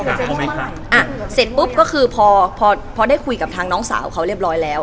สเรนนี่เสร็จปุ๊บก็คือพอได้คุยกับทางน้องสาวเขาเรียบร้อยแล้ว